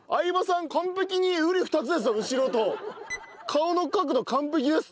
顔の角度完璧です。